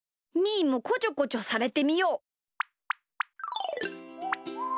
ーもこちょこちょされてみよう。